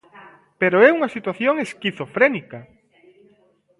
Pero é unha situación esquizofrénica.